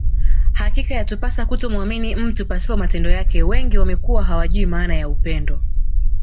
Hakika yatupasa kutomuamini mtu pasipo matendo yake wengi wamekuwa hawajui maana ya upendo